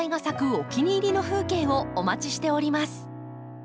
お気に入りの風景をお待ちしております。